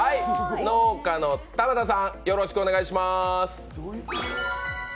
農家の田畑さんよろしくお願いします。